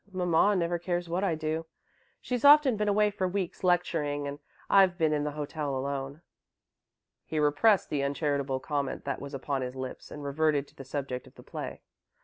Mamma never cares what I do. She's often been away for weeks, lecturing, and I've been in the hotel alone." He repressed the uncharitable comment that was upon his lips and reverted to the subject of the play.